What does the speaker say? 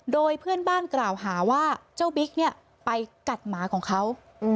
โดยเพื่อนบ้านกล่าวหาว่าเจ้าบิ๊กเนี่ยไปกัดหมาของเขา